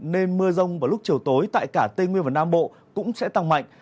nên mưa rông vào lúc chiều tối tại cả tây nguyên và nam bộ cũng sẽ tăng mạnh